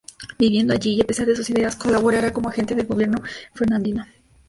Viviendo allí, y a pesar de sus ideas, colaborará como agente del gobierno fernandino.